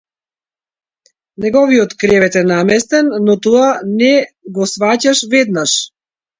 Неговиот кревет е наместен, но тоа не го сфаќаш веднаш.